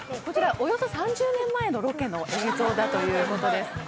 およそ３０年前のロケの映像だということです